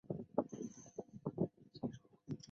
张某不服提起诉愿。